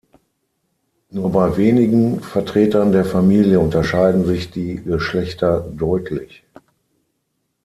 Nur bei wenigen Vertretern der Familie unterscheiden sich die Geschlechter deutlich.